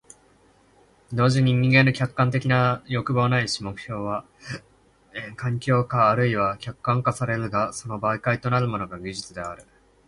同時に人間の主観的な欲望ないし目的は環境化或いは客観化されるが、その媒介となるものが技術である。